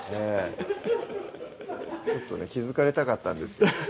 ちょっとね気付かれたかったんです